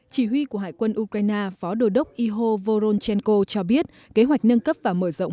chỉ huy của hải quân ukraine phó đồ đốc iho voronchenko cho biết kế hoạch nâng cấp và mở rộng